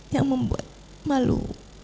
yang membuat malu